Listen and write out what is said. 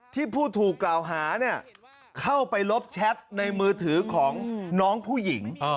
ผู้ถูกกล่าวหาเข้าไปลบแชทในมือถือของน้องผู้หญิง